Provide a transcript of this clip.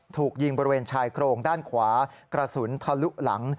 ถูกยิงบริเวณชายโครงด้านขวากระสุนทะลุหลัง